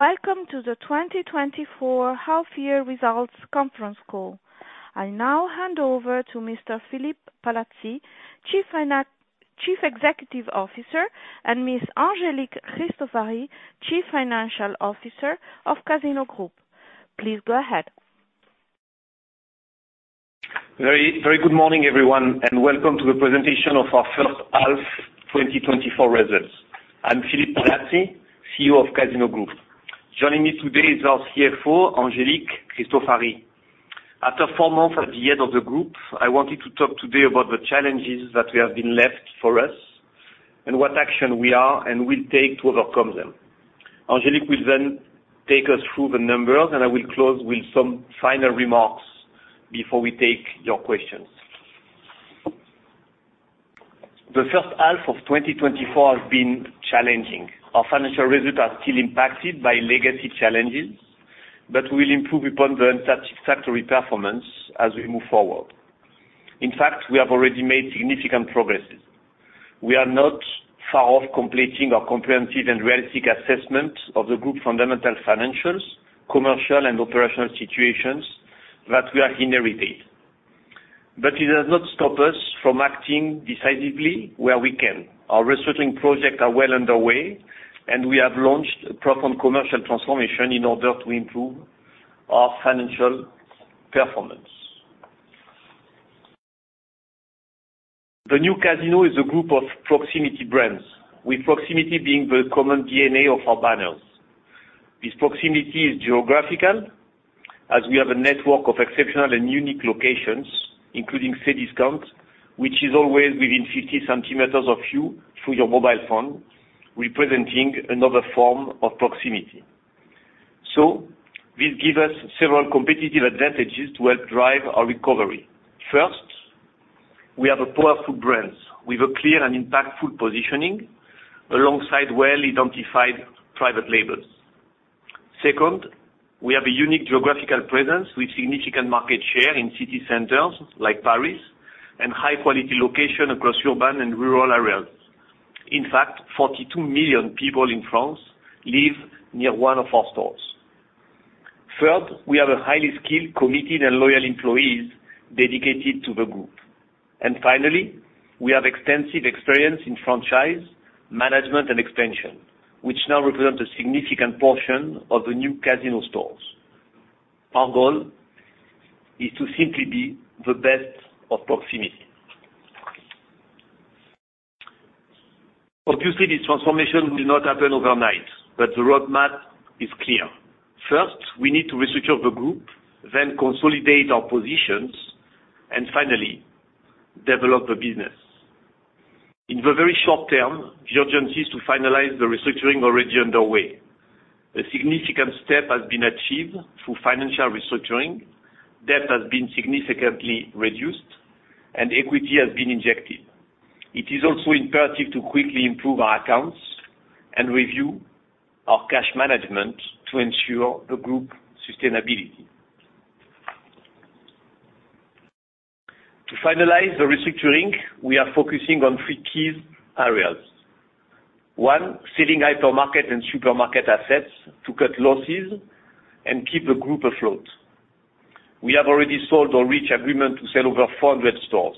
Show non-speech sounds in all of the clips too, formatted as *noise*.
Welcome to the 2024 half-year results conference call. I now hand over to Mr. Philippe Palazzi, Chief Executive Officer, and Miss Angélique Cristofari, Chief Financial Officer of Casino Group. Please go ahead. Very, very good morning, everyone, and welcome to the presentation of our first half 2024 results. I'm Philippe Palazzi, CEO of Casino Group. Joining me today is our CFO, Angélique Cristofari. After 4 months at the head of the group, I wanted to talk today about the challenges that have been left for us and what action we are and will take to overcome them. Angélique will then take us through the numbers, and I will close with some final remarks before we take your questions. The first half of 2024 has been challenging. Our financial results are still impacted by legacy challenges, but we will improve upon the unsatisfactory performance as we move forward. In fact, we have already made significant progresses. We are not far off completing our comprehensive and realistic assessment of the group fundamental financials, commercial and operational situations that we are inherited. But it does not stop us from acting decisively where we can. Our restructuring projects are well underway, and we have launched a proper commercial transformation in order to improve our financial performance. The new Casino is a group of proximity brands, with proximity being the common DNA of our banners. This proximity is geographical, as we have a network of exceptional and unique locations, including Cdiscount, which is always within 50 centimeters of you through your mobile phone, representing another form of proximity. So this give us several competitive advantages to help drive our recovery. First, we have a powerful brands with a clear and impactful positioning alongside well-identified private labels. Second, we have a unique geographical presence with significant market share in city centers like Paris, and high quality location across urban and rural areas. In fact, 42 million people in France live near one of our stores. Third, we have a highly skilled, committed, and loyal employees dedicated to the group. And finally, we have extensive experience in franchise, management, and expansion, which now represent a significant portion of the new Casino stores. Our goal is to simply be the best of proximity. Obviously, this transformation will not happen overnight, but the roadmap is clear. First, we need to restructure the group, then consolidate our positions, and finally, develop the business. In the very short term, the urgency is to finalize the restructuring already underway. A significant step has been achieved through financial restructuring, debt has been significantly reduced, and equity has been injected. It is also imperative to quickly improve our accounts and review our cash management to ensure the group sustainability. To finalize the restructuring, we are focusing on three key areas. One, selling hypermarket and supermarket assets to cut losses and keep the group afloat. We have already sold or reached agreement to sell over 400 stores.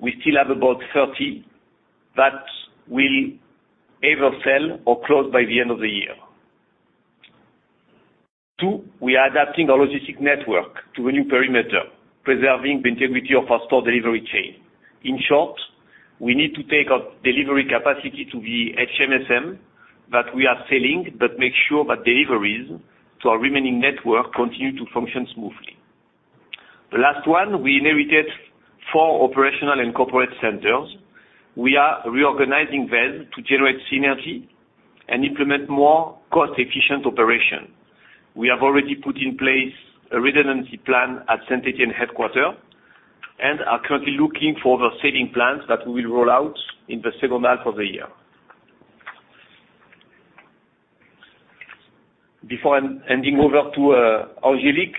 We still have about 30 that will either sell or close by the end of the year. Two, we are adapting our logistics network to a new perimeter, preserving the integrity of our store delivery chain. In short, we need to take our delivery capacity to the HMSM that we are selling, but make sure that deliveries to our remaining network continue to function smoothly. The last one, we inherited 4 operational and corporate centers. We are reorganizing them to generate synergy and implement more cost-efficient operation. We have already put in place a redundancy plan at Saint-Étienne headquarters and are currently looking for the savings plans that we will roll out in the second half of the year. Before handing over to Angélique,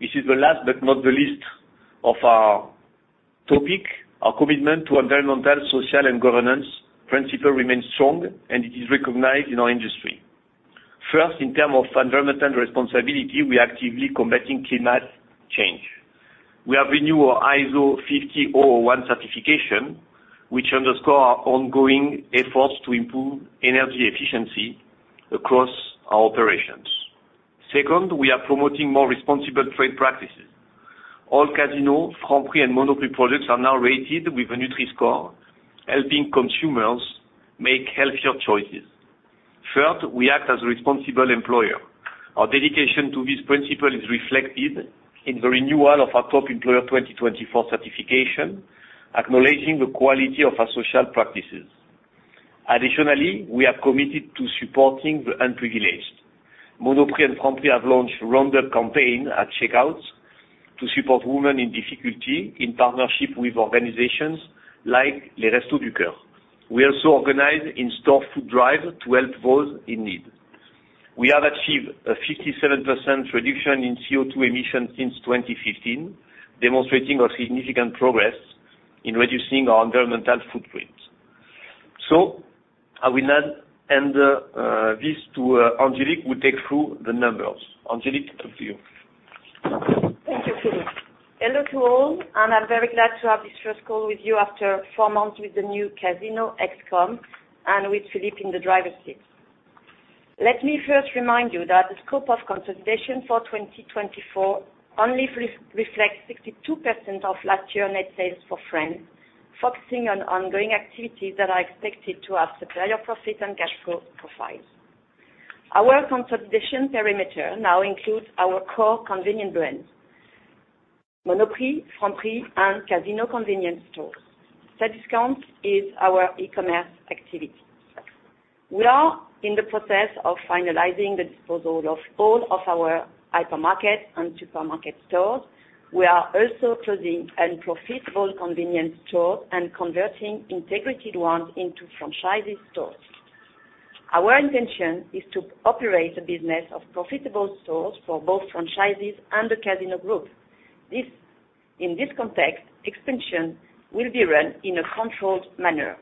this is the last but not the least of our topic. Our commitment to environmental, social, and governance principle remains strong, and it is recognized in our industry. First, in terms of environmental responsibility, we are actively combating climate change. We have renewed our ISO 50001 certification, which underscore our ongoing efforts to improve energy efficiency across our operations. Second, we are promoting more responsible trade practices. All Casino, Franprix, and Monoprix products are now rated with a Nutri-Score, helping consumers make healthier choices. Third, we act as a responsible employer. Our dedication to this principle is reflected in the renewal of our Top Employer 2024 certification, acknowledging the quality of our social practices. Additionally, we are committed to supporting the unprivileged. Monoprix and Franprix have launched roundup campaign at checkouts to support women in difficulty in partnership with organizations like Les Restos du Cœur. We also organize in-store food drive to help those in need. We have achieved a 57% reduction in CO₂ emissions since 2015, demonstrating a significant progress in reducing our environmental footprint. So I will now hand this to Angélique, who take through the numbers. Angélique, up to you. Thank you, Philippe. Hello to all, and I'm very glad to have this first call with you after four months with the new Casino ExCom, and with Philippe in the driver's seat. Let me first remind you that the scope of consolidation for 2024 only reflects 62% of last year net sales for France, focusing on ongoing activities that are expected to have superior profit and cash flow profiles. Our consolidation perimeter now includes our core convenience brands, Monoprix, Franprix, and Casino convenience stores. Cdiscount is our e-commerce activity. We are in the process of finalizing the disposal of all of our hypermarket and supermarket stores. We are also closing unprofitable convenience stores and converting integrated ones into franchisee stores. Our intention is to operate a business of profitable stores for both franchisees and the Casino Group. In this context, expansion will be run in a controlled manner.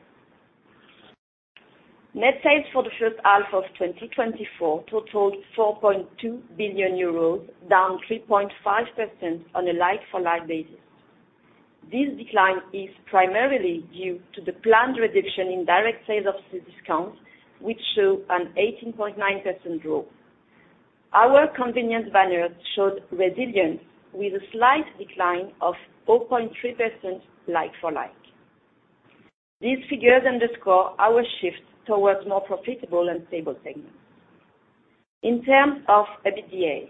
Net sales for the first half of 2024 totaled 4.2 billion euros, down 3.5% on a like-for-like basis. This decline is primarily due to the planned reduction in direct sales of Cdiscount, which show an 18.9% drop. Our convenience banner showed resilience, with a slight decline of 4.3% like-for-like. These figures underscore our shift towards more profitable and stable segments. In terms of EBITDA,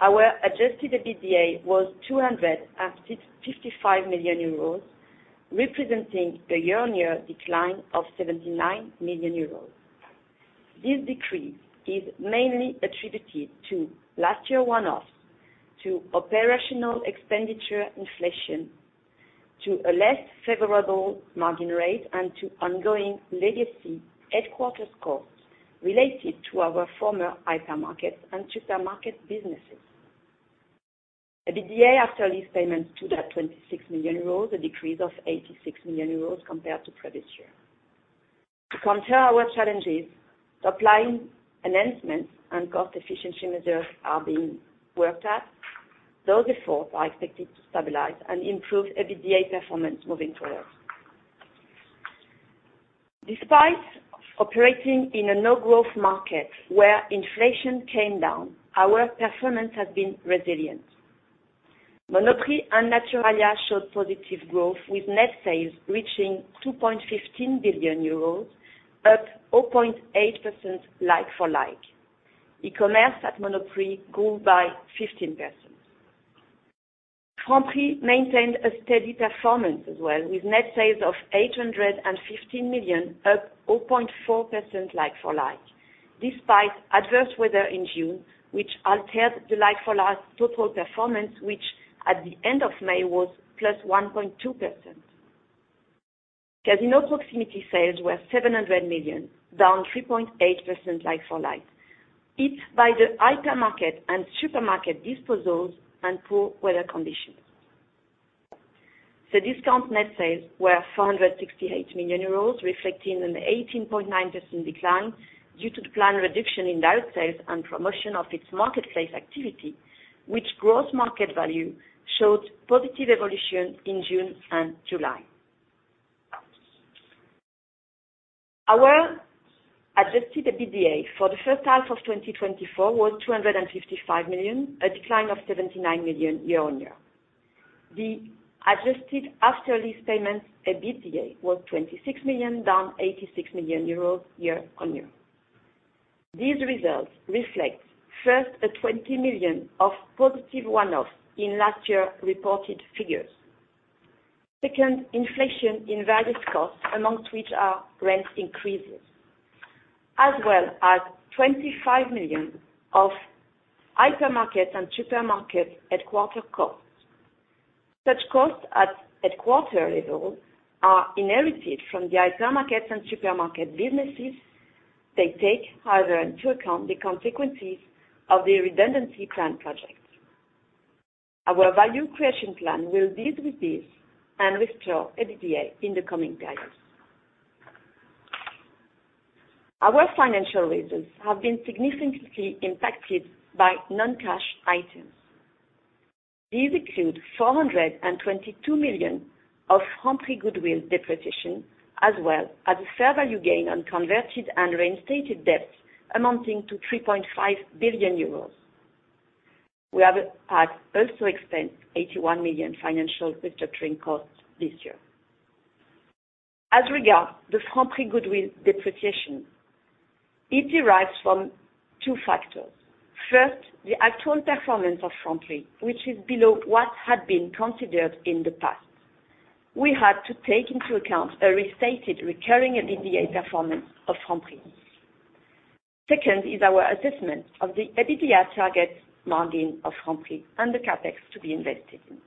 our adjusted EBITDA was 255 million euros, representing a year-on-year decline of 79 million euros. This decrease is mainly attributed to last year one-offs, to operational expenditure inflation, to a less favorable margin rate, and to ongoing legacy headquarters costs related to our former hypermarket and supermarket businesses. EBITDA after these payments stood at 26 million euros, a decrease of 86 million euros compared to previous year. To counter our challenges, supply enhancements and cost efficiency measures are being worked at. Those efforts are expected to stabilize and improve EBITDA performance moving forward. Despite operating in a no-growth market where inflation came down, our performance has been resilient. Monoprix and Naturalia showed positive growth, with net sales reaching 2.15 billion euros, up 0.8% like-for-like. E-commerce at Monoprix grew by 15%. Franprix maintained a steady performance as well, with net sales of 815 million, up 0.4% like-for-like, despite adverse weather in June, which altered the like-for-like total performance, which at the end of May, was +1.2%. Casino proximity sales were 700 million, down 3.8% like-for-like. Hit by the hypermarket and supermarket disposals and poor weather conditions. Cdiscount net sales were 468 million euros, reflecting an 18.9% decline due to the planned reduction in direct sales and promotion of its marketplace activity, which gross market value showed positive evolution in June and July. Our adjusted EBITDA for the first half of 2024 was 255 million, a decline of 79 million year-on-year. The adjusted after these payments, EBITDA was 26 million, down 86 million euros year-on-year. These results reflect, first, a 20 million of positive one-off in last year reported figures. Second, inflation in various costs, among which are rent increases, as well as 25 million of hypermarket and supermarket headquarters costs. Such costs at headquarters level are inherited from the hypermarket and supermarket businesses. They take, however, into account the consequences of the redundancy plan projects. Our value creation plan will deal with this and restore EBITDA in the coming days. Our financial results have been significantly impacted by non-cash items. These include 422 million of Franprix goodwill depreciation, as well as a fair value gain on converted and reinstated debts amounting to 3.5 billion euros. We have had also expensed 81 million financial restructuring costs this year. As regards the Franprix goodwill depreciation, it derives from two factors. First, the actual performance of Franprix, which is below what had been considered in the past. We had to take into account a restated recurring EBITDA performance of Franprix. Second is our assessment of the EBITDA target margin of Franprix and the CapEx to be invested in.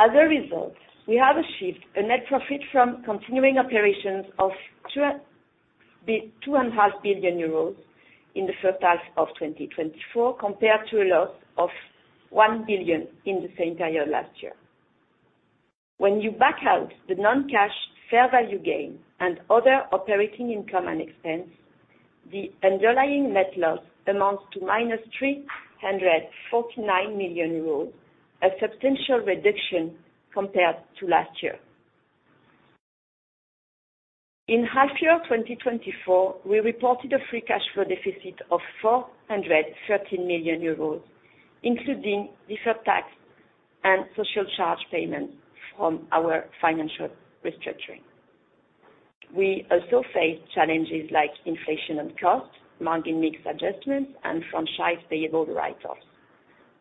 As a result, we have achieved a net profit from continuing operations of 2.5 billion euros in the first half of 2024, compared to a loss of 1 billion in the same period last year. When you back out the non-cash fair value gain and other operating income and expense, the underlying net loss amounts to -349 million euros, a substantial reduction compared to last year. In half year 2024, we reported a free cash flow deficit of 413 million euros, including deferred tax and social charge payments from our financial restructuring. We also faced challenges like inflation and costs, margin mix adjustments, and franchise payable write-offs.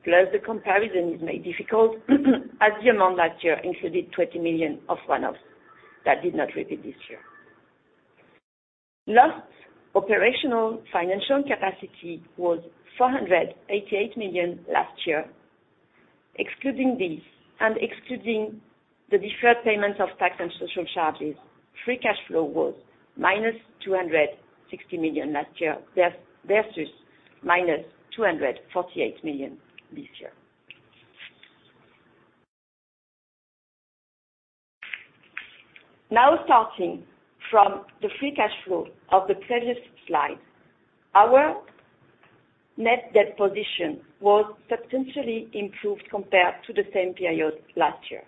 Plus, the comparison is made difficult as the amount last year included 20 million of one-offs that did not repeat this year. Last operational financial capacity was 488 million last year. Excluding these and excluding the deferred payments of tax and social charges, free cash flow was -260 million last year, versus -248 million this year. Now, starting from the free cash flow of the previous slide, our net debt position was substantially improved compared to the same period last year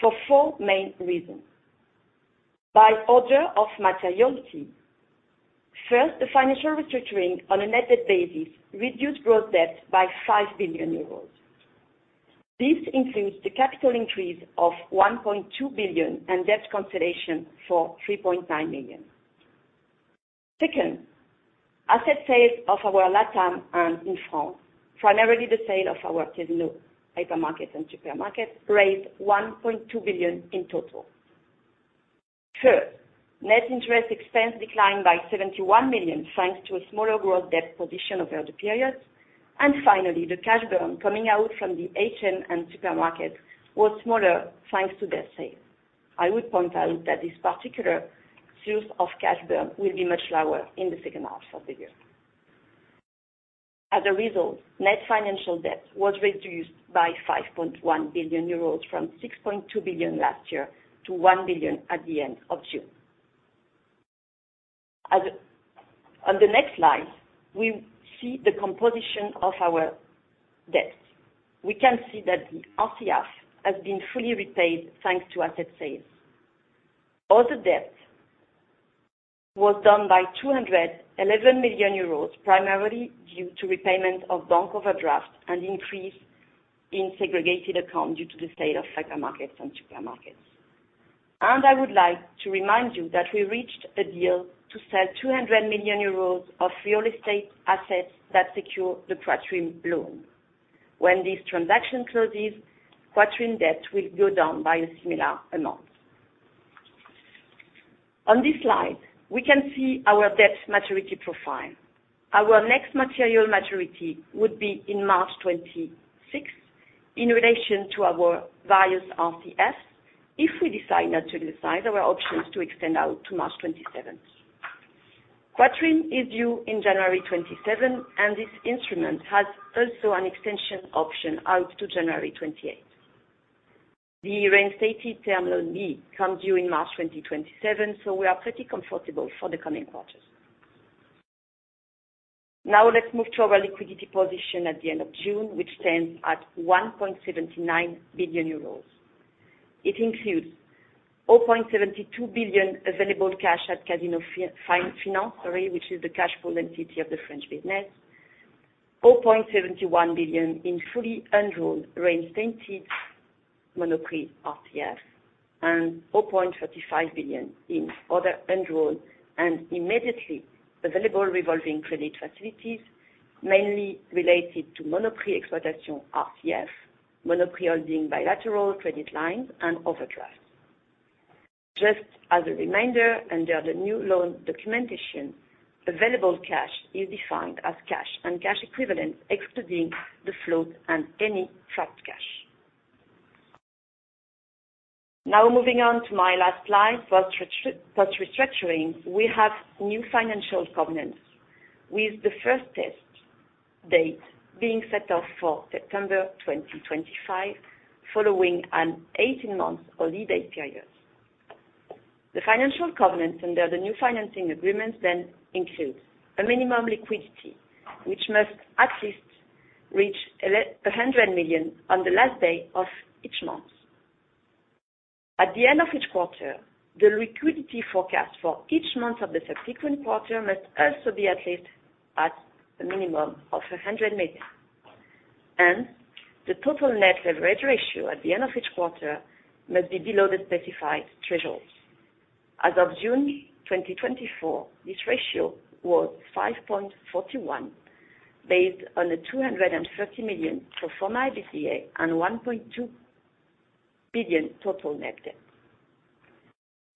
for four main reasons. By order of materiality, first, the financial restructuring on a net debt basis reduced gross debt by 5 billion euros. This includes the capital increase of 1.2 billion and debt consolidation for 3.9 million. Second, asset sales of our Latam and in France, primarily the sale of our Casino hypermarkets and supermarkets, raised 1.2 billion in total. Third, net interest expense declined by 71 million, thanks to a smaller gross debt position over the period. Finally, the cash burn coming out from the HMS and supermarket was smaller, thanks to their sale. I would point out that this particular source of cash burn will be much lower in the second half of the year. As a result, net financial debt was reduced by 5.1 billion euros, from 6.2 billion last year to 1 billion at the end of June. On the next slide, we see the composition of our debt. We can see that the RCF has been fully repaid, thanks to asset sales. All the debt was down by 211 million euros, primarily due to repayment of bank overdraft and increase in segregated accounts due to the sale of hypermarkets and supermarkets. I would like to remind you that we reached a deal to sell 200 million euros of real estate assets that secure the Quatrim loan. When this transaction closes, Quatrim debt will go down by a similar amount. On this slide, we can see our debt maturity profile. Our next material maturity would be in March 2026 in relation to our various RCFs. If we decide not to decide, there are options to extend out to March 2027. Quatrim is due in January 2027, and this instrument has also an extension option out to January 2028. The reinstated term loan B comes due in March 2027, so we are pretty comfortable for the coming quarters. Now, let's move to our liquidity position at the end of June, which stands at 1.79 billion euros. It includes 0.72 billion available cash at Casino Finance, which is the cash pool entity of the French business. 4.71 billion in fully enrolled reinstated Monoprix RCF, and 4.35 billion in other enrolled and immediately available revolving credit facilities, mainly related to Monoprix Exploitation RCF, Monoprix Holding bilateral credit lines and overdrafts. Just as a reminder, under the new loan documentation, available cash is defined as cash and cash equivalent, excluding the float and any trapped cash. Now, moving on to my last slide. Post restructuring, we have new financial covenants, with the first test date being set up for September 2025, following an 18-month holiday period. The financial covenants under the new financing agreement then includes: a minimum liquidity, which must at least reach 100 million on the last day of each month. At the end of each quarter, the liquidity forecast for each month of the subsequent quarter must also be at least at a minimum of 100 million. The total net leverage ratio at the end of each quarter must be below the specified thresholds. As of June 2024, this ratio was 5.41, based on a 230 million pro forma EBITDA and 1.2 billion total net debt.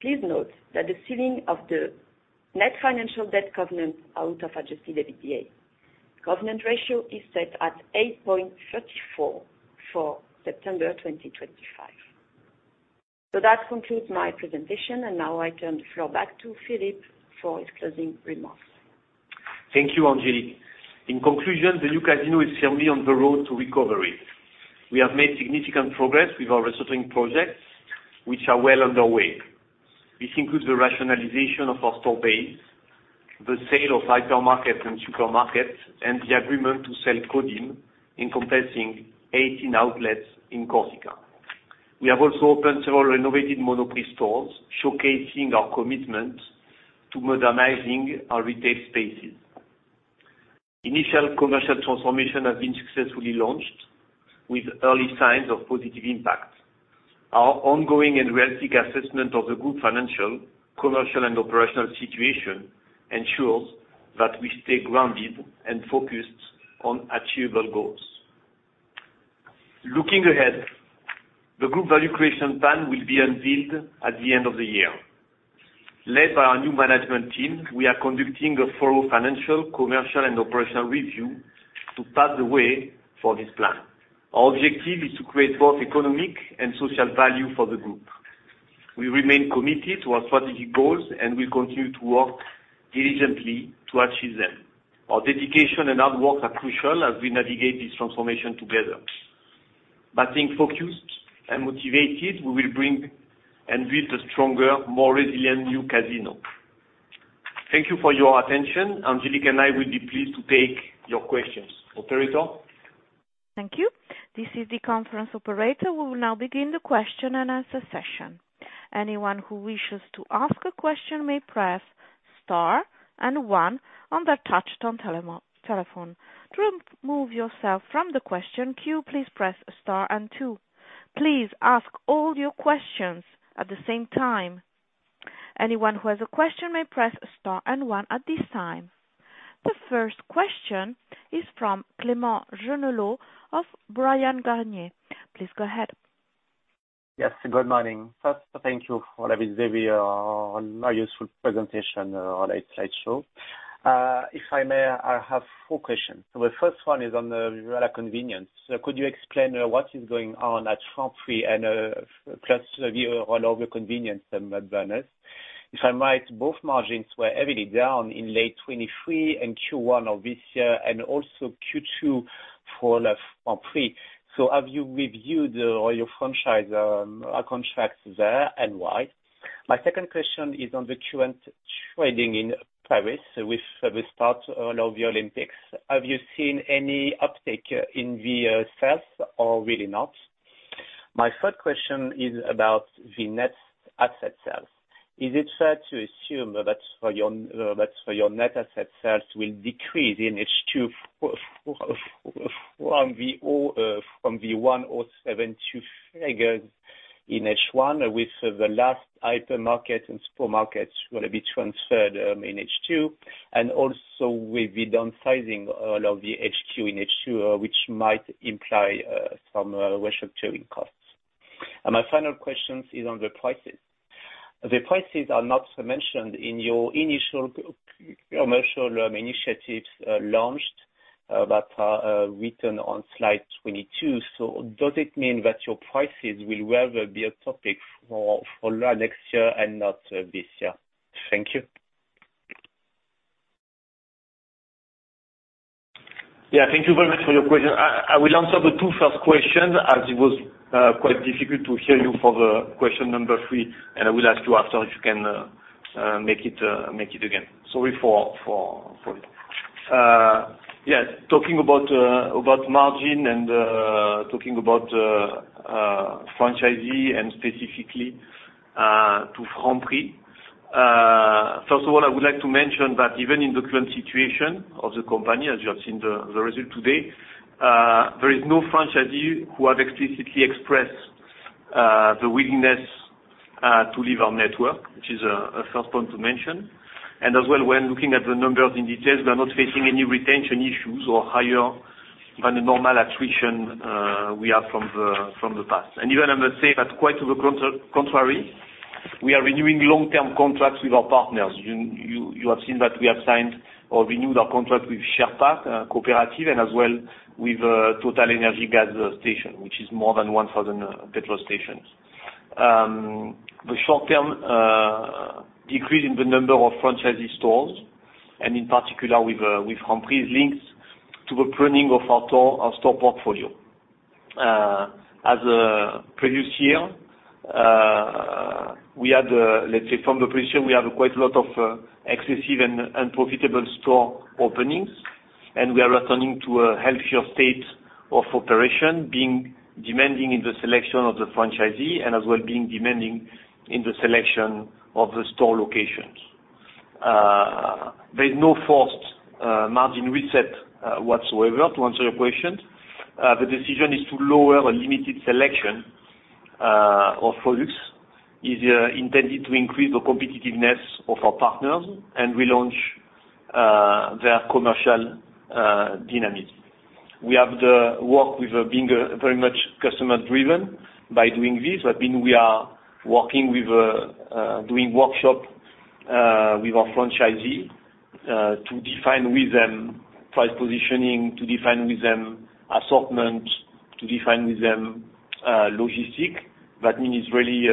Please note that the ceiling of the net financial debt covenant out of adjusted EBITDA.... covenant ratio is set at 8.34 for September 2025. So that concludes my presentation, and now I turn the floor back to Philippe for his closing remarks. Thank you, Angélique. In conclusion, the new Casino is firmly on the road to recovery. We have made significant progress with our resetting projects, which are well underway. This includes the rationalization of our store base, the sale of hypermarkets and supermarkets, and the agreement to sell Codim, encompassing 18 outlets in Corsica. We have also opened several renovated Monoprix stores, showcasing our commitment to modernizing our retail spaces. Initial commercial transformation has been successfully launched with early signs of positive impact. Our ongoing and realistic assessment of the group financial, commercial, and operational situation ensures that we stay grounded and focused on achievable goals. Looking ahead, the group value creation plan will be unveiled at the end of the year. Led by our new management team, we are conducting a thorough financial, commercial, and operational review to pave the way for this plan. Our objective is to create both economic and social value for the group. We remain committed to our strategic goals, and we continue to work diligently to achieve them. Our dedication and hard work are crucial as we navigate this transformation together. By being focused and motivated, we will bring and build a stronger, more resilient new Casino. Thank you for your attention. Angélique and I will be pleased to take your questions. Operator? Thank you. This is the conference operator. We will now begin the question-and-answer session. Anyone who wishes to ask a question may press star and one on their touchtone telephone. To remove yourself from the question queue, please press star and two. Please ask all your questions at the same time. Anyone who has a question may press star and one at this time. The first question is from Clément Genelot of Bryan, Garnier & Co. Please go ahead. Yes, good morning. First, thank you for this very, very useful presentation on eight slideshow. If I may, I have four questions. The first one is on the convenience. Could you explain what is going on at Franprix and Vival over convenience partners? If I might, both margins were heavily down in late 2023 and Q1 of this year, and also Q2 for Franprix. So have you reviewed all your franchisor contracts there, and why? My second question is on the current trading in Paris with the start of the Olympics. Have you seen any uptick in the sales or really not? My third question is about the net asset sales. Is it fair to assume that your net asset sales will decrease in H2 from the 107.2 figures in H1, with the last hypermarket and supermarkets going to be transferred in H2, and also with the downsizing all of the HQ in H2, which might imply some restructuring costs? My final questions is on the prices. The prices are not mentioned in your initial commercial initiatives launched that are written on slide 22. So does it mean that your prices will rather be a topic for next year and not this year? Thank you. Yeah, thank you very much for your question. I will answer the two first questions, as it was quite difficult to hear you for the question number three, and I will ask you after if you can make it again. Sorry for that. Yes, talking about margin and talking about franchisee and specifically to Franprix. First of all, I would like to mention that even in the current situation of the company, as you have seen the result today, there is no franchisee who have explicitly expressed the willingness to leave our network, which is a first point to mention. And as well, when looking at the numbers in detail, we are not facing any retention issues or higher than the normal attrition we have from the past. And even I must say that quite to the contrary, we are renewing long-term contracts with our partners. You have seen that we have signed or renewed our contract with Sherpa Coopérative and as well with TotalEnergies gas station, which is more than 1,000 petrol stations. The short-term decrease in the number of franchisee stores, and in particular with Franprix, links to the pruning of our store portfolio. As previous year, we had, let's say from the position, we had quite a lot of excessive and unprofitable store openings, and we are returning to a healthier state of operation, being demanding in the selection of the franchisee and as well being demanding in the selection of the store locations. There is no forced margin reset whatsoever, to answer your question. The decision is to lower a limited selection of products, is intended to increase the competitiveness of our partners and relaunch their commercial dynamics. We have the work with, being very much customer driven by doing this, but then we are working with, doing workshop with our franchisee, to define with them price positioning, to define with them assortment, to define with them logistics. That means it's really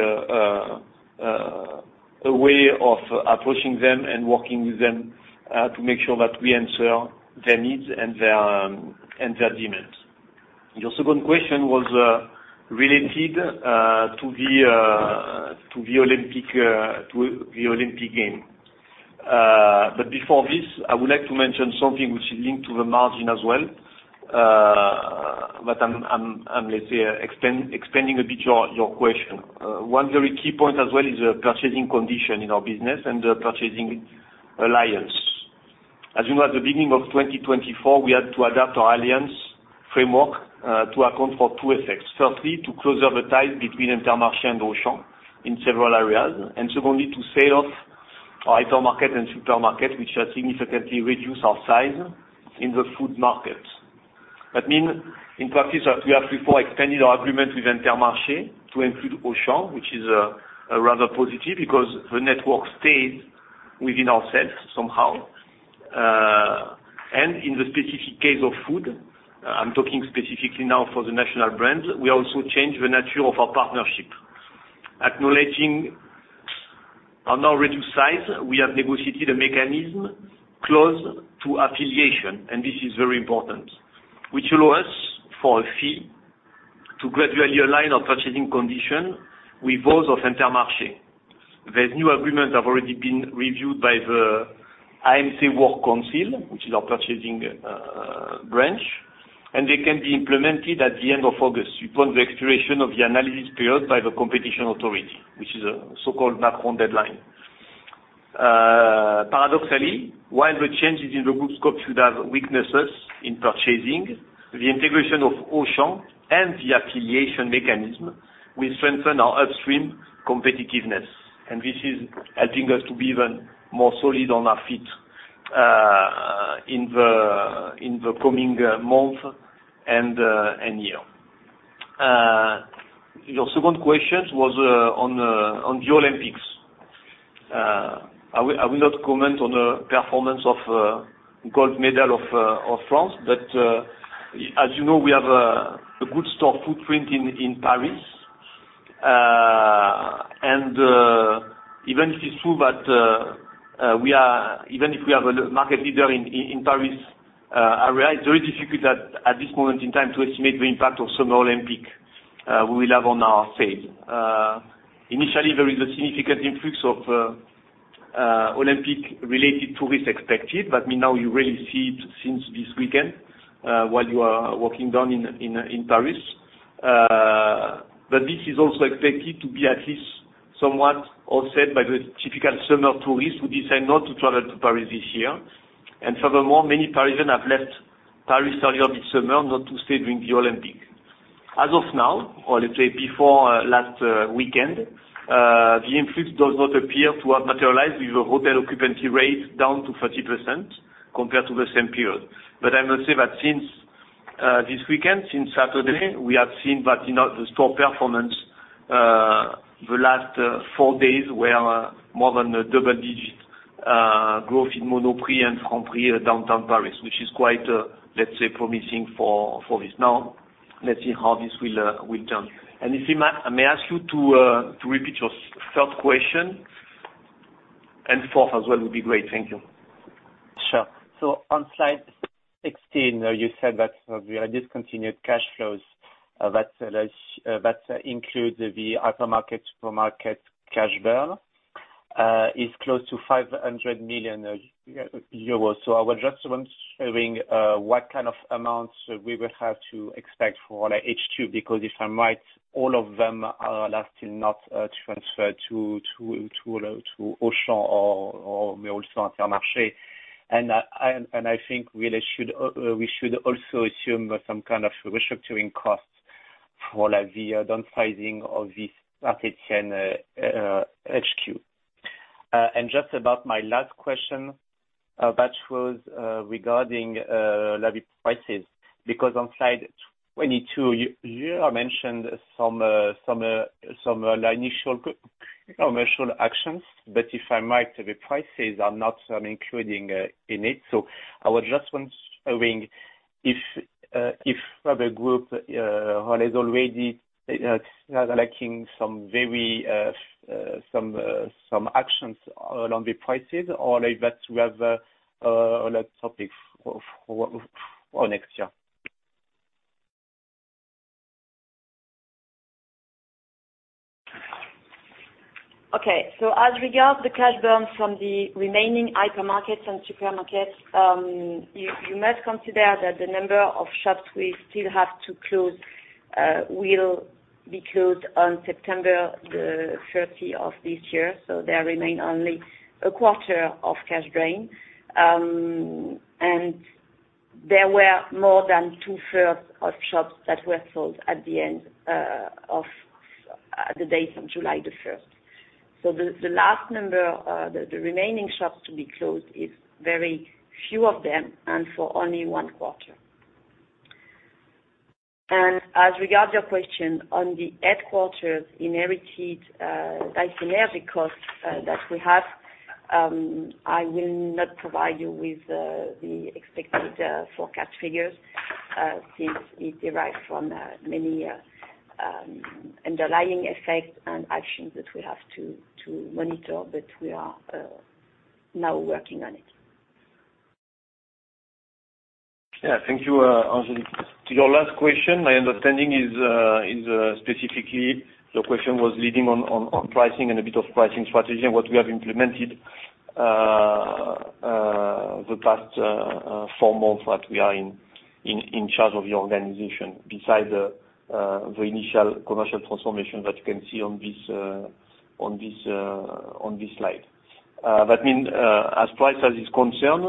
a way of approaching them and working with them to make sure that we answer their needs and their demands. Your second question was related to the Olympic Games. But before this, I would like to mention something which is linked to the margin as well. But I'm let's say explaining a bit your question. One very key point as well is the purchasing condition in our business and the purchasing alliance. As you know, at the beginning of 2024, we had to adapt our alliance framework to account for two effects. Firstly, to close the tie between Intermarché and Auchan in several areas, and secondly, to sell off our hypermarket and supermarket, which has significantly reduced our size in the food market. That means, in practice, that we have now extended our agreement with Intermarché to include Auchan, which is a rather positive, because the network stayed within ourselves somehow. And in the specific case of food, I'm talking specifically now for the national brands, we also changed the nature of our partnership. Acknowledging our reduced size, we have negotiated a mechanism close to affiliation, and this is very important, which allows us, for a fee, to gradually align our purchasing conditions with those of Intermarché. The new agreement have already been reviewed by the EMC Works Council, which is our purchasing, branch, and they can be implemented at the end of August, upon the expiration of the analysis period by the competition authority, which is a so-called Macron deadline. Paradoxically, while the changes in the group scope should have weaknesses in purchasing, the integration of Auchan and the affiliation mechanism will strengthen our upstream competitiveness, and this is helping us to be even more solid on our feet, in the coming month and year. Your second question was on the Olympics. I will not comment on the performance of gold medal of France, but, as you know, we have a good store footprint in Paris. And even if it's true that we are a market leader in Paris, it is very difficult at this point in time to estimate the impact of Summer Olympics will have on our sales. Initially, there is a significant influx of Olympic-related tourists expected, but meanwhile now you really see it since this weekend, while you are walking down in Paris. But this is also expected to be at least somewhat offset by the typical summer tourists who decide not to travel to Paris this year. And furthermore, many Parisians have left Paris earlier this summer, not to stay during the Olympics. As of now, or let's say before last weekend, the influx does not appear to have materialized, with the hotel occupancy rate down to 30% compared to the same period. But I must say that since this weekend, since Saturday, we have seen that, you know, the store performance, the last four days were more than a double-digit growth in Monoprix and Franprix downtown Paris, which is quite, let's say, promising for this. Now, let's see how this will turn. And if you may I ask you to repeat your third question, and fourth as well, would be great. Thank you. Sure. So on slide 16, you said that we had discontinued cash flows that includes the hypermarket, supermarket cash burn is close to 500 million euros. So I was just wondering what kind of amounts we would have to expect for H2? Because if I'm right, all of them are still not transferred to Auchan or maybe also Intermarché. And I think we should also assume some kind of restructuring costs for, like, the downsizing of this Saint-Étienne HQ. And just about my last question, that was regarding, like, prices. Because on slide 22, you mentioned some initial commercial actions, but if I might, the prices are not including in it. So I was just wondering if the group has already lacking some very actions along the prices or like that we have on that topic for next year? Okay. So as regards the cash burn from the remaining hypermarkets and supermarkets, you must consider that the number of shops we still have to close will be closed on September 30 of this year, so there remain only a quarter of cash drain. And there were more than two-thirds of shops that were sold at the end of-... the date on July 1. So the last number, the remaining shops to be closed is very few of them, and for only one quarter. And as regard your question on the headquarters inherited, *inaudible* cost, that we have, I will not provide you with the expected forecast figures, since it derives from many underlying effects and actions that we have to monitor, but we are now working on it. Yeah, thank you, Angélique. To your last question, my understanding is, specifically your question was leading on pricing and a bit of pricing strategy, and what we have implemented the past four months that we are in charge of the organization, beside the initial commercial transformation that you can see on this slide. That means, as price as is concerned,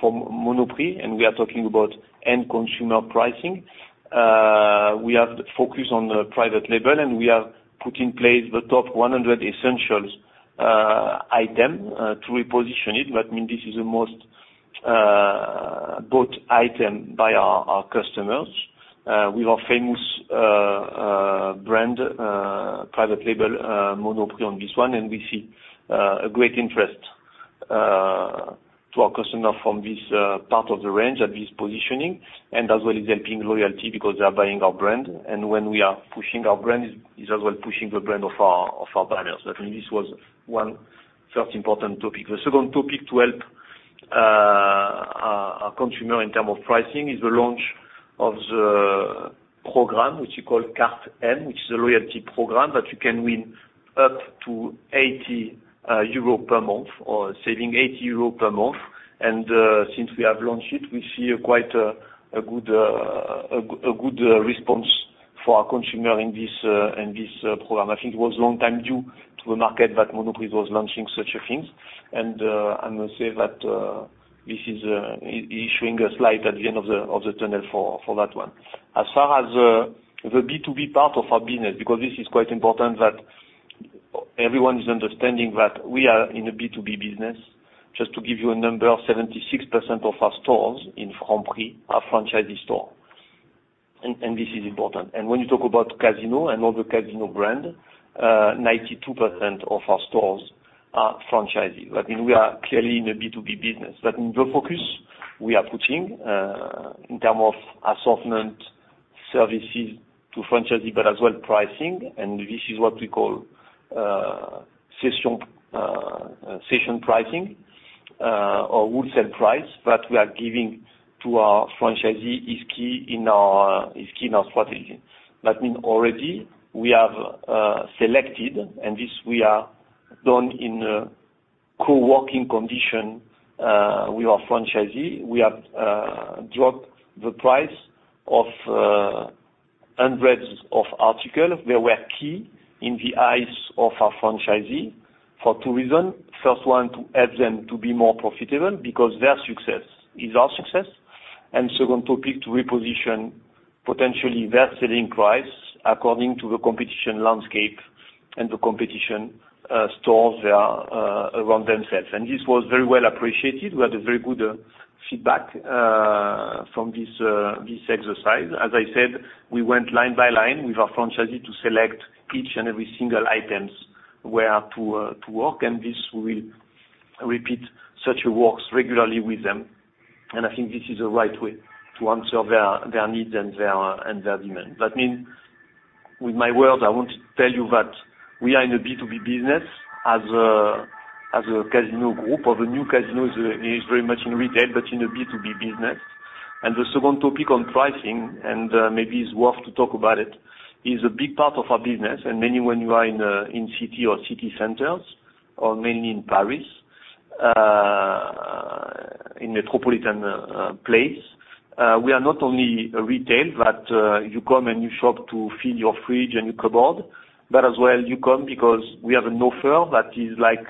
from Monoprix, and we are talking about end consumer pricing, we have to focus on the private label, and we have put in place the top 100 essentials item to reposition it. That means this is the most bought item by our customers with our famous brand private label Monoprix on this one, and we see a great interest to our customer from this part of the range and this positioning, and as well as helping loyalty because they are buying our brand. And when we are pushing our brand, is as well pushing the brand of our partners. But this was one first important topic. The second topic to help our consumer in terms of pricing is the launch of the program, which you call Carte M, which is a loyalty program that you can win up to 80 euro per month or saving 80 euro per month. Since we have launched it, we see quite a good response for our consumer in this program. I think it was long time due to the market that Monoprix was launching such a things, and I must say that this is a light at the end of the tunnel for that one. As far as the B2B part of our business, because this is quite important that everyone is understanding that we are in a B2B business. Just to give you a number, 76% of our stores in Franprix are franchisee store, and this is important. When you talk about Casino and all the Casino brand, 92% of our stores are franchisee. That means we are clearly in a B2B business, but in the focus we are putting in terms of assortment, services to franchisee, but as well, pricing and this is what we call session pricing or wholesale price that we are giving to our franchisee is key in our, is key in our strategy. That means already we have selected, and this we have done in a co-working condition with our franchisee. We have dropped the price of hundreds of articles that were key in the eyes of our franchisee for two reasons. First one, to help them to be more profitable, because their success is our success, and second topic, to reposition potentially their selling price according to the competition landscape and the competition stores they are around themselves. And this was very well appreciated. We had a very good feedback from this exercise. As I said, we went line by line with our franchisee to select each and every single items where to work, and this will repeat such a works regularly with them. And I think this is the right way to answer their needs and their demand. That means, with my words, I want to tell you that we are in a B2B business as a Casino Group, or the new Casino is very much in retail, but in a B2B business. And the second topic on pricing, and maybe it's worth to talk about it, is a big part of our business. Many when you are in city or city centers, or mainly in Paris, in metropolitan place, we are not only a retail, but you come and you shop to fill your fridge and your cupboard, but as well, you come because we have an offer that is like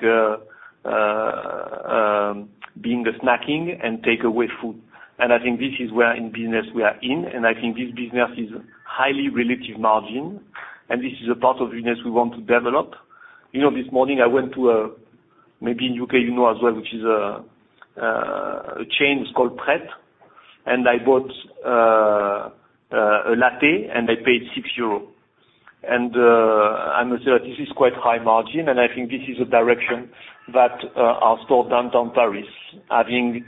being a snacking and takeaway food. I think this is where in business we are in, and I think this business is highly relative margin, and this is a part of business we want to develop. You know, this morning I went to maybe in UK you know as well, which is a chain called Pret, and I bought a latte, and I paid 6 euro. I must say, this is quite high margin, and I think this is a direction that our store downtown Paris, having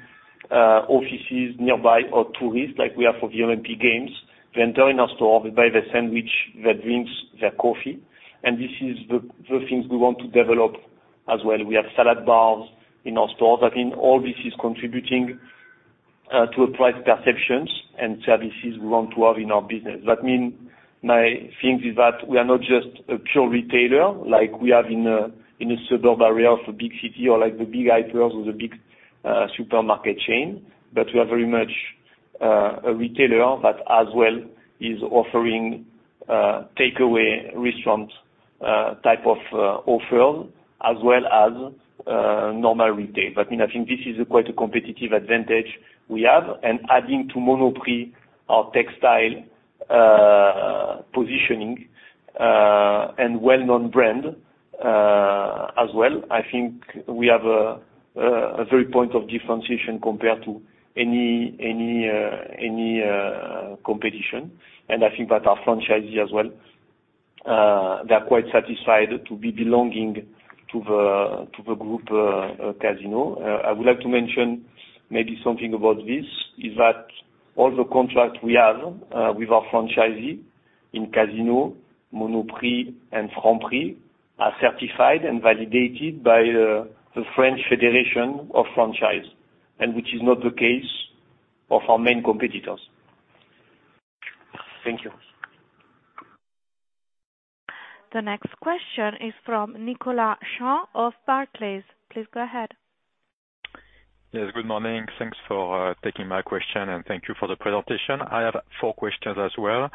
offices nearby or tourists, like we are for the Olympic Games, they enter in our store, they buy their sandwich, their drinks, their coffee, and this is the things we want to develop as well. We have salad bars in our stores. I think all this is contributing to a price perception and services we want to have in our business. That means my thing is that we are not just a pure retailer, like we are in a suburban area of a big city or like the big hypers or the big supermarket chain, but we are very much a retailer, but as well offering takeaway restaurant type of offer.... as well as, normal retail. But I mean, I think this is quite a competitive advantage we have, and adding to Monoprix, our textile, positioning, and well-known brand, as well, I think we have a very point of differentiation compared to any competition. And I think that our franchisee as well, they are quite satisfied to be belonging to the group, Casino. I would like to mention maybe something about this, is that all the contract we have, with our franchisee in Casino, Monoprix, and Franprix, are certified and validated by, the French Federation of Franchise, and which is not the case of our main competitors. Thank you. The next question is from Nicolas Champ of Barclays. Please go ahead. Yes, good morning. Thanks for taking my question, and thank you for the presentation. I have four questions as well.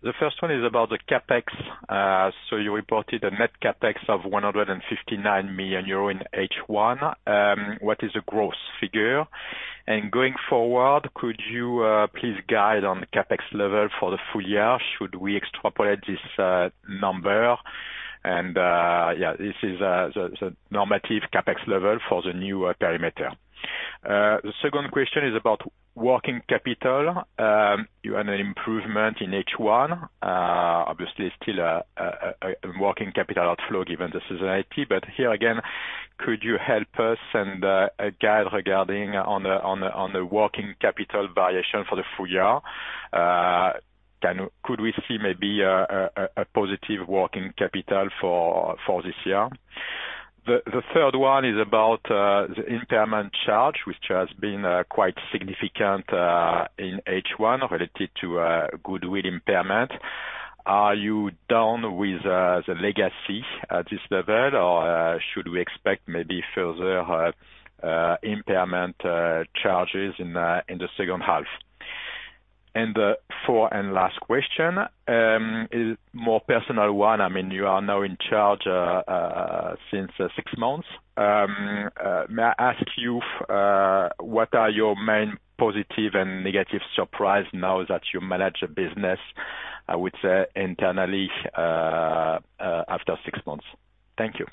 The first one is about the CapEx. So you reported a net CapEx of 159 million euro in H1. What is the gross figure? And going forward, could you please guide on the CapEx level for the full year? Should we extrapolate this number? And yeah, this is the normative CapEx level for the new perimeter. The second question is about working capital. You had an improvement in H1, obviously still a working capital outflow given the seasonality. But here again, could you help us and guide regarding the working capital variation for the full year? Could we see maybe a positive working capital for this year? The third one is about the impairment charge, which has been quite significant in H1, related to goodwill impairment. Are you done with the legacy at this level, or should we expect maybe further impairment charges in the second half? And the fourth and last question is more personal one. I mean, you are now in charge since six months. May I ask you what are your main positive and negative surprise now that you manage the business, I would say internally after six months? Thank you.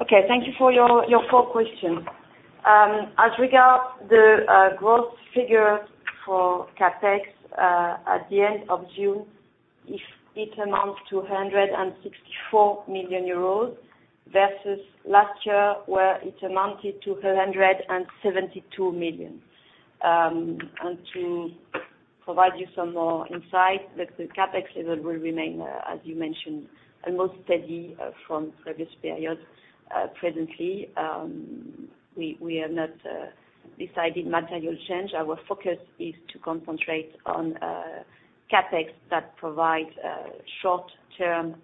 Okay, thank you for your four questions. As regard the growth figure for CapEx at the end of June, it amounts to 164 million euros, versus last year, where it amounted to 172 million. And to provide you some more insight, that the CapEx level will remain, as you mentioned, almost steady from previous periods. Presently, we have not decided material change. Our focus is to concentrate on CapEx that provides short-term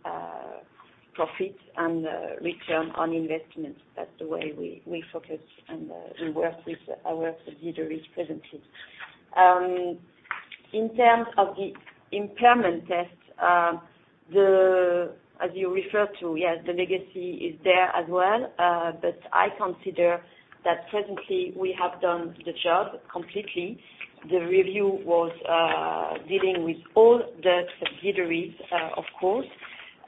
profits and return on investment. That's the way we focus and we work with our subsidiaries presently. In terms of the impairment test, as you referred to, yes, the legacy is there as well. But I consider that presently we have done the job completely. The review was dealing with all the subsidiaries, of course.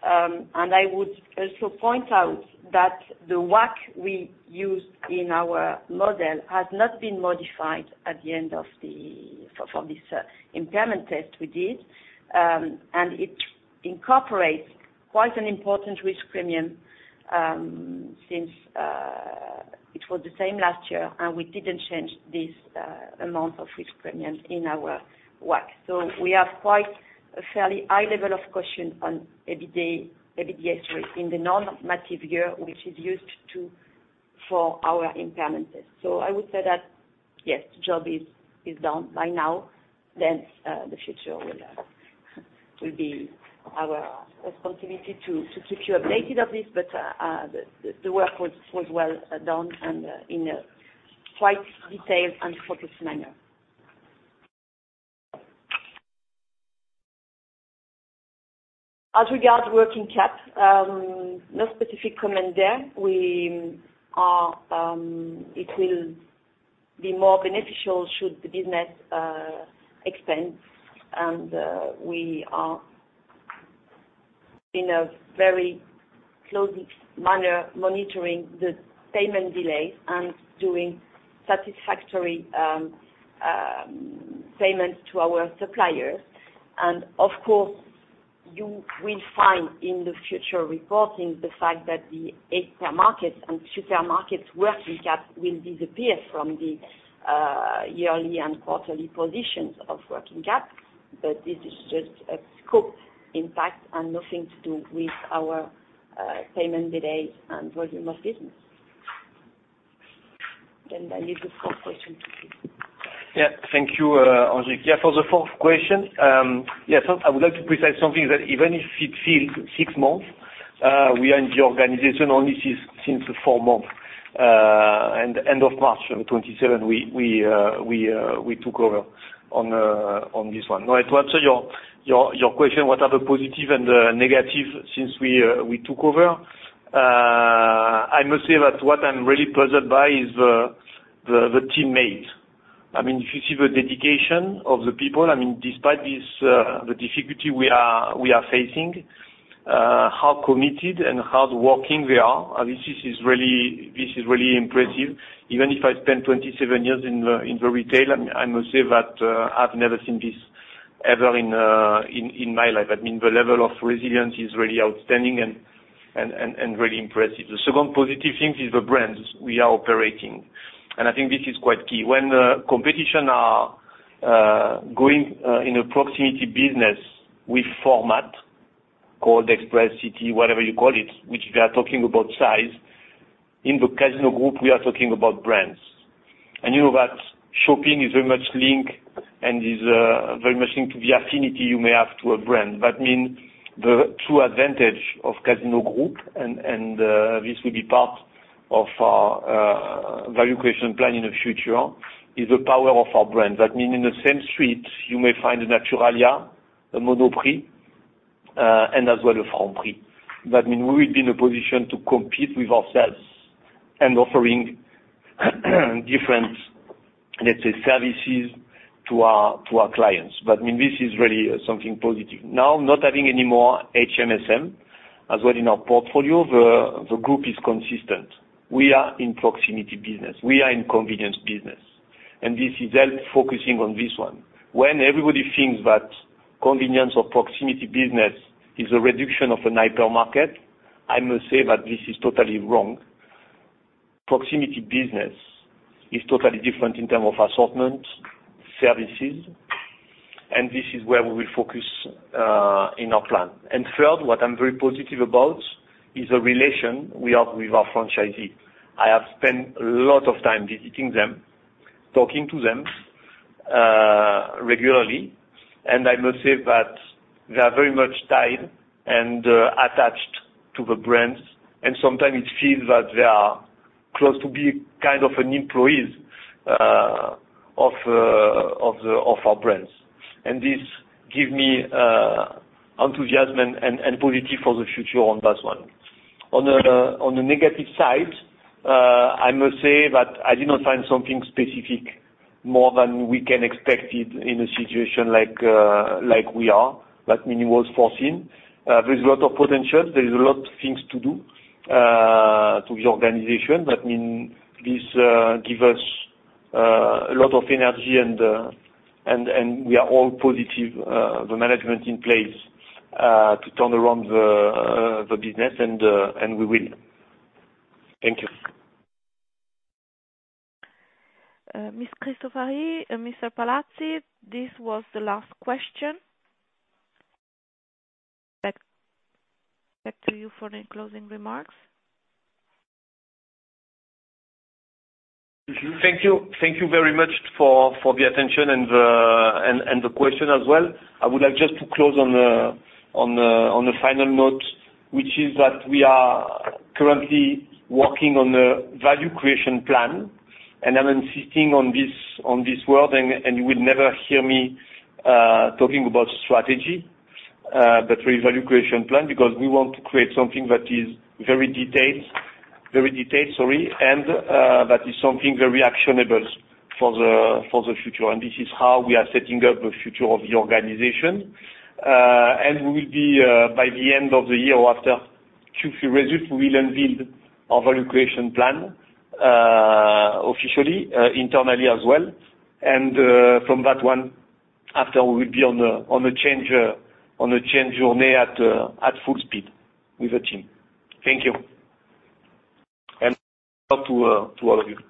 And I would also point out that the WACC we used in our model has not been modified at the end for this impairment test we did. And it incorporates quite an important risk premium, since it was the same last year, and we didn't change this amount of risk premium in our WACC. So we have quite a fairly high level of caution on EBITDA, EBITDA interest in the normative year, which is used for our impairment test. So I would say that, yes, the job is done by now. Then the future will be our responsibility to keep you updated of this, but the work was well done and in a quite detailed and focused manner. As regard working cap, no specific comment there. We are, it will be more beneficial should the business expand. And we are in a very close manner, monitoring the payment delays and doing satisfactory payments to our suppliers. And of course, you will find in the future reporting the fact that the hypermarket and supermarkets working cap will disappear from the yearly and quarterly positions of working cap. But this is just a scope impact and nothing to do with our payment delays and volume of business.... Then I leave the fourth question to you. Yeah, thank you, Henry. Yeah, for the fourth question, yes, so I would like to precise something that even if it feels six months, we are in the organization only since four months. And end of March, on the twenty-seventh, we took over on this one. Now, to answer your question, what are the positive and negative since we took over? I must say that what I'm really pleased by is the teammate. I mean, if you see the dedication of the people, I mean, despite this, the difficulty we are facing, how committed and hard working they are, this is really impressive. Even if I spent 27 years in the retail, I must say that I've never seen this ever in my life. I mean, the level of resilience is really outstanding and really impressive. The second positive thing is the brands we are operating, and I think this is quite key. When competition are going in a proximity business with format called Express City, whatever you call it, which we are talking about size, in the Casino Group, we are talking about brands. And you know that shopping is very much linked and is very much linked to the affinity you may have to a brand. That mean the true advantage of Casino Group, and this will be part of our value creation plan in the future, is the power of our brand. That means in the same street, you may find a Naturalia, a Monoprix, and as well a Franprix. That means we would be in a position to compete with ourselves and offering, different, let's say, services to our clients. But, I mean, this is really something positive. Now, not having any more HMSM as well in our portfolio, the group is consistent. We are in proximity business. We are in convenience business, and this is help focusing on this one. When everybody thinks that convenience or proximity business is a reduction of an hypermarket, I must say that this is totally wrong. Proximity business is totally different in term of assortment, services, and this is where we focus in our plan. And third, what I'm very positive about is the relation we have with our franchisee. I have spent a lot of time visiting them, talking to them, regularly, and I must say that they are very much tied and, attached to the brands, and sometimes it feels that they are close to being kind of an employees, of our brands. And this give me, enthusiasm and, positive for the future on that one. On the negative side, I must say that I did not find something specific more than we can expect it in a situation like, like we are, that meaning was foreseen. There is a lot of potential, there is a lot of things to do, to the organization. That means this gives us a lot of energy and we are all positive, the management in place to turn around the business, and we will. Thank you. Ms. Cristofari and Mr. Palazzi, this was the last question. Back, back to you for any closing remarks. Thank you. Thank you very much for the attention and the question as well. I would like just to close on the final note, which is that we are currently working on a value creation plan, and I'm insisting on this word, and you will never hear me talking about strategy, but value creation plan, because we want to create something that is very detailed, sorry, and that is something very actionable for the future. And this is how we are setting up the future of the organization. And we will be, by the end of the year or after Q3 results, we will unveil our value creation plan, officially, internally as well. From that one, after we will be on a change journey at full speed with the team. Thank you, and to all of you.